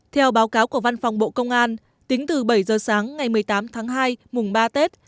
theo báo cáo của văn phòng bộ công an tính từ bảy giờ sáng ngày một mươi tám tháng hai mùng ba tết